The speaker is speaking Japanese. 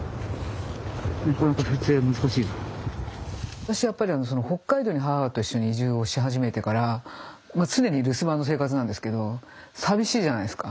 私はやっぱりあの北海道に母と一緒に移住をし始めてから常に留守番の生活なんですけど寂しいじゃないですか。